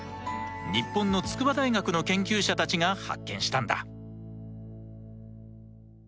日本の筑波大学の研究者たちが発見したんだ。